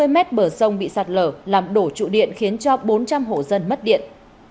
năm mươi mét bờ sông bị sạt lở làm đổ trụ điện khiến cho bốn trăm linh hộ dân mất điện